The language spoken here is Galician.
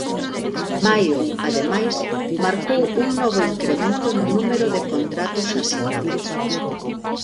Maio, ademais, marcou un novo incremento no número de contratos asinados.